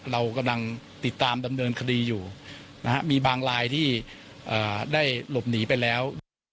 เรากำลังติดตามดำเนินคดีอยู่มีบางลายที่ได้หลบหนีไปแล้ว